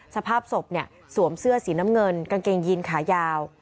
สภาพศพสวมเสื้อสีน้ำเงินกางเกงยีนขายาว